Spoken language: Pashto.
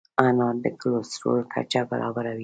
انار د کولیسټرول کچه برابروي.